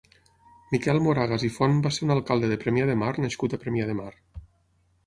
Miquel Moragas i Font va ser un alcalde de Premia de Mar nascut a Premià de Mar.